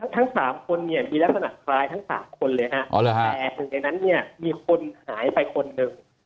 ทั้ง๓คนเนี่ยมีลักษณะคล้ายทั้ง๓คนเลยฮะแต่หนึ่งในนั้นเนี่ยมีคนหายไปคนหนึ่ง